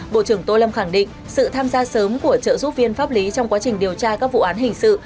bộ trưởng tô lâm khẳng định sự tham gia sớm của trợ giúp viên pháp lý trong quá trình điều tra các vụ án hình sự